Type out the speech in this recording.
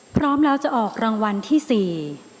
พร้อมแล้วจะออกรางวัลที่สี่